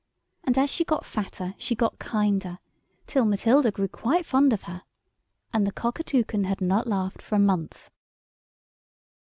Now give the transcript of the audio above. And as she got fatter she got kinder, till Matilda grew quite fond of her. And the Cockatoucan had not laughed for a month.